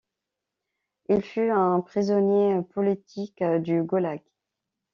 Il fut un prisonnier politique du Goulag.